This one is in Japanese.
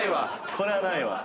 これはないわ。